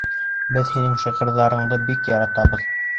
Беҙ һинең шиғырҙарыңды бик яратабыҙ.